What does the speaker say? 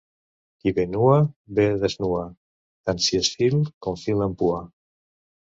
Qui bé nua, bé desnua; tant si és fil com fil amb pua.